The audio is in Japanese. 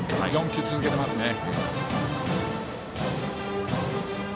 ４球続けていますね。